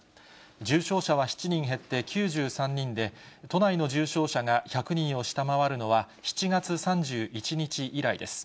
重症者は７人減って９３人で、都内の重症者が１００人を下回るのは、７月３１日以来です。